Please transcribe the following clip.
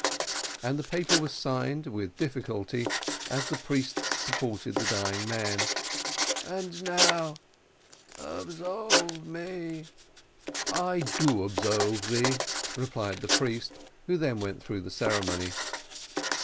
And the paper was signed, with difficulty, as the priests supported the dying man. "And now absolve me." "I do absolve thee," replied the priest, who then went through the ceremony.